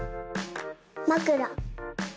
まくら。